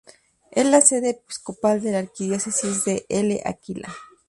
Es la sede episcopal de la Arquidiócesis de L'Aquila.